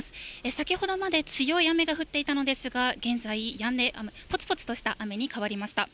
先ほどまで強い雨が降っていたのですが、現在やんで、ぽつぽつとした雨に変わりました。